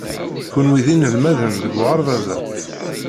Kenwi d inelmaden deg uɣerbaz-a?